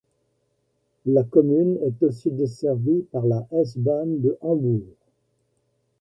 La commune est aussi desservie par la S-Bahn de Hambourg.